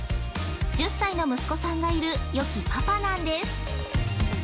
１０歳の息子さんがいるよきパパなんです。